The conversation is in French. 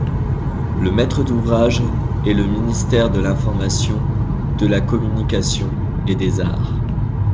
Le maître d'ouvrage est le Ministère de l'information, de la communication et des arts.